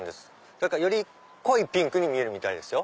だからより濃いピンクに見えるみたいですよ。